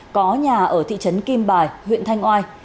có nhà ở thị trấn kim bài huyện thanh oai